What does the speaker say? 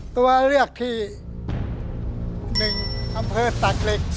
ตัวเลือกที่๑อำเภอตักเหล็ก